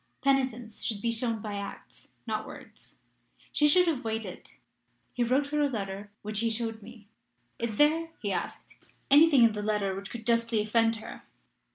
Penitence should be shown by acts, not words: she should have waited.' He wrote her a letter, which he showed me. 'Is there,' he asked, 'anything in the letter which could justly offend her?'